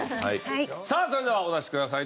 さあそれではお出しください。